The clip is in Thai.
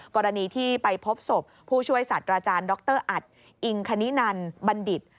กรณีที่ไปพบศพผู้ช่วยศาสตราจารย์ดรอัตอิงคณินันบัณฑิต